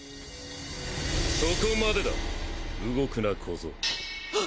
そこまでだ動くな小僧。